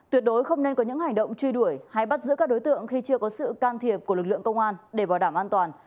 tuyệt đối không nên có những hành động truy đuổi hay bắt giữ các đối tượng khi chưa có sự can thiệp của lực lượng công an để bảo đảm an toàn